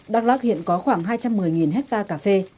đắk lắc hiện có khoảng hai trăm một mươi hectare cà phê